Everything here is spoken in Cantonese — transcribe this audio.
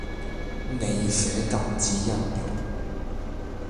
你寫禁止人肉